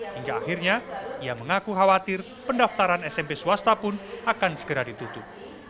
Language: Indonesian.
hingga akhirnya ia mengaku khawatir pendaftaran smp swasta pun akan segera ditutup